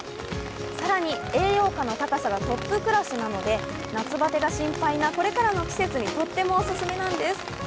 更に栄養価の高さはトップクラスなので夏バテが心配なこれからの季節にとってもオススメなんです。